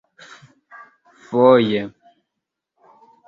Foje.